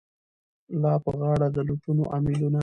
لا په غاړه د لوټونو امېلونه